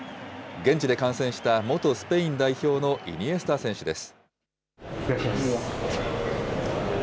現地で観戦した元スペイン代表のイニエスタ選手です。